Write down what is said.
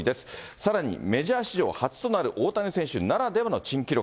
さらにメジャー史上初となる大谷選手ならではの珍記録。